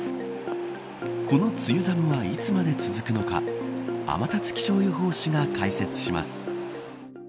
この梅雨寒はいつまで続くのか天達気象予報士が解説します。